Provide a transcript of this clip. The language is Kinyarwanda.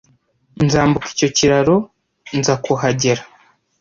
Nzambuka icyo kiraro nza kuhagera.